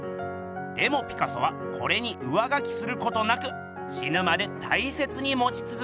でもピカソはこれに上書きすることなくしぬまで大切にもちつづけたのです。